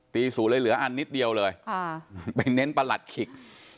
ศูนย์เลยเหลืออันนิดเดียวเลยไปเน้นประหลัดขิก